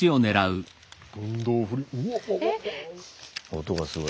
音がすごい。